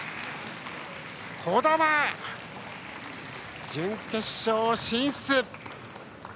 児玉、準決勝進出！